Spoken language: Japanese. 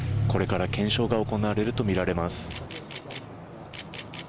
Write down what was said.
これから検証が行われるとみられます。